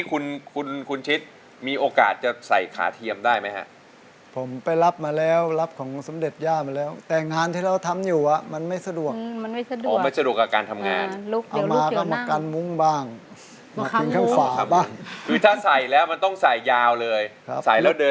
คือถ้าใส่แล้วมันต้องใส่ยาวเลยใส่แล้วเดินไปไหนมาไหนอย่างเงี้ยได้